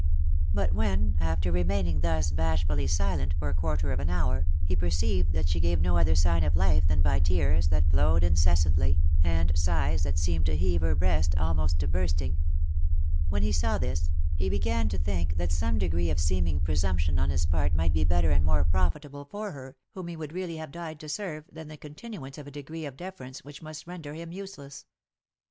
But when, after remaining thus bash fully silent for a quarter of an hour, he perceived that she gave no other sign of life than by tears that flowed incessantly, and sighs that seemed to heave her breast " almost to bursting," — when he saw this, he began to think that some degree of seeming presumption on his part might be better and more profitable for her, whom he would really have died to serve, than the continuance of a degree of defer ence, which must render him useless.